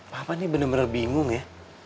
mama nih bener bener bingung ya